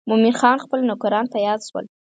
مومن خان خپل نوکران په یاد شول.